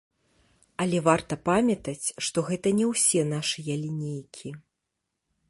Але варта памятаць, што гэта не ўсе нашыя лінейкі.